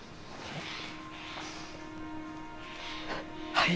はい。